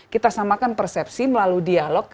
kita samakan persepsi melalui dialog